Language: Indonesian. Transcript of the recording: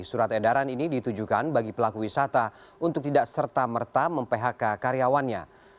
surat edaran ini ditujukan bagi pelaku wisata untuk tidak serta merta mem phk karyawannya